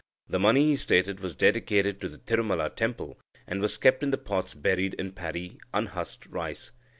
The money, he stated, was dedicated to the Tirumula temple, and was kept in the pots buried in paddy (unhusked rice).